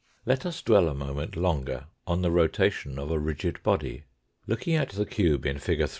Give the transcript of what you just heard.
Let us dwell a moment longer on the rotation of a rigid body. Looking at the cube in fig.